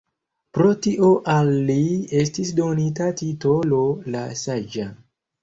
Pro tio al li estis donita titolo «la Saĝa».